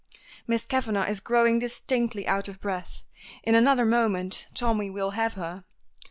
Miss Kavanagh is growing distinctly out of breath. In another moment Tommy will have her.